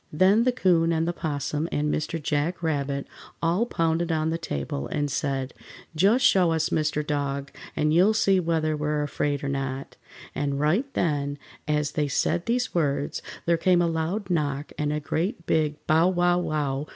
Then the 'Coon and the 'Possum and Mr. Jack Rabbit all pounded on the table, and said, "Just show us Mr. Dog, and you'll see whether we're afraid or not," and right then, as they said these words, there came a loud knock, and a great big bow! wow! wow!